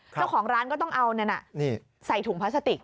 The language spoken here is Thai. เจ้าของร้านก็ต้องเอานั่นใส่ถุงพลาสติก